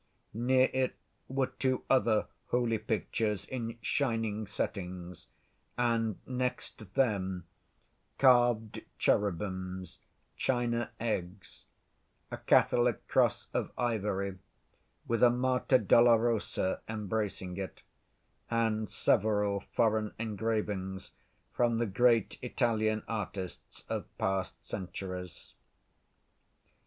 Near it were two other holy pictures in shining settings, and, next them, carved cherubims, china eggs, a Catholic cross of ivory, with a Mater Dolorosa embracing it, and several foreign engravings from the great Italian artists of past centuries.